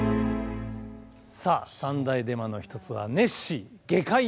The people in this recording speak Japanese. さあ三大デマの一つはネッシー「外科医の写真」！